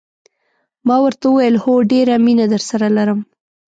ما ورته وویل: هو، ډېره مینه درسره لرم.